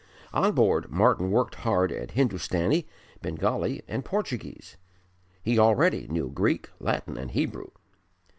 On board Martyn worked hard at Hindustani, Bengali and Portuguese. He already knew Greek, Latin and Hebrew.